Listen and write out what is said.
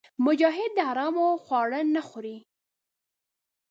مجاهد د حرامو خواړه نه خوري.